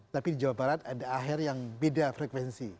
tapi di jawa barat ada aher yang beda frekuensi